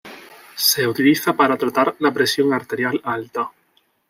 Se utiliza para tratar la presión arterial alta.